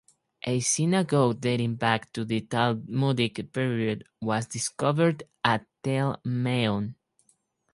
A synagogue dating back to the Talmudic period was discovered at Tell Maon.